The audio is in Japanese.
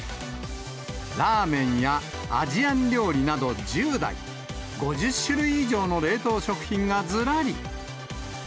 ラーメンやアジアン料理など１０台、５０種類以上の冷凍食品がずらり。